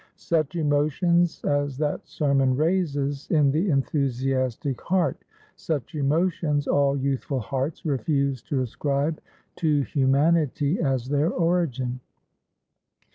Such emotions as that Sermon raises in the enthusiastic heart; such emotions all youthful hearts refuse to ascribe to humanity as their origin.